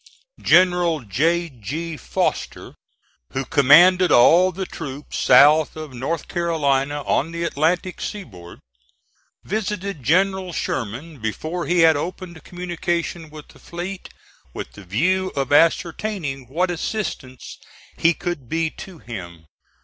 General J. G. Foster, who commanded all the troops south of North Carolina on the Atlantic sea board, visited General Sherman before he had opened communication with the fleet, with the view of ascertaining what assistance he could be to him.